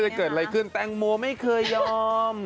เกิดอะไรขึ้นแตงโมไม่เคยยอม